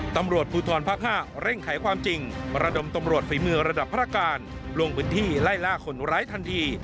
ตำรวจภูทรภาค๕เร่งไขความจริงประดมตำรวจฝีมือระดับพระการลงพื้นที่ไล่ล่าคนร้ายทันที